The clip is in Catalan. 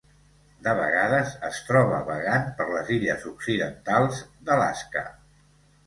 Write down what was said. De vegades es troba vagant per les illes occidentals d'Alaska.